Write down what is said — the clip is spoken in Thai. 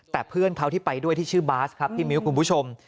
แต่เพื่อนเขาที่ไปด้วยที่ชื่อบาสครับพี่มิ้วคุณผู้ชม